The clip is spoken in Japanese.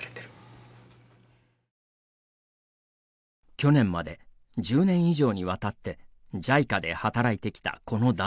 去年まで１０年以上にわたってＪＩＣＡで働いてきたこの男性。